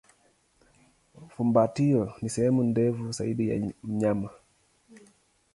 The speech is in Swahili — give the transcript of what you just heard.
Fumbatio ni sehemu ndefu zaidi ya mnyama.